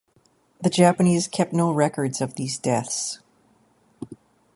The Japanese kept no records of these deaths.